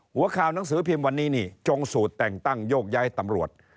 หัวข่าวหนังสือพิมพ์วันนี้นี่จงสูตรแต่งตั้งโยกย้ายตำรวจ